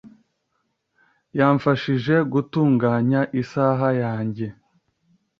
Yamfashije gutunganya isaha yanjye .